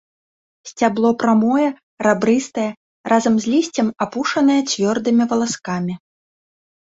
Сцябло прамое, рабрыстае, разам з лісцем апушанае цвёрдымі валаскамі.